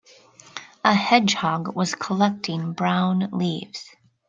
A hedgehog was collecting brown leaves.